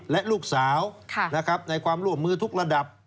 และลูกสาวในความร่วมมือทุกระดับ